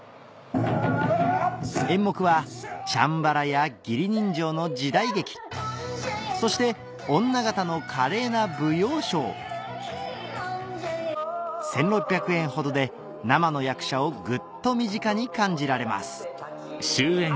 演目はチャンバラや義理人情の時代劇そして女形の華麗な舞踊ショー１６００円ほどで生の役者をグッと身近に感じられます